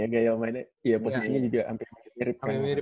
iya posisinya juga hampir mirip